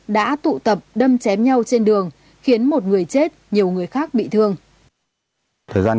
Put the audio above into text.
đã tụ tập đâm chém nhau trên đường khiến một người chết nhiều người khác bị thương